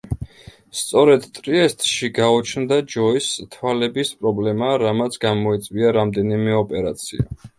სწორედ ტრიესტში გაუჩნდა ჯოისს თვალების პრობლემა, რამაც გამოიწვია რამდენიმე ოპერაცია.